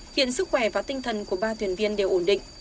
hiện sức khỏe và tinh thần của ba thuyền viên đều ổn định